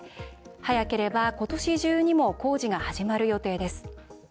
早ければ、ことし中にも工事が始まる予定です。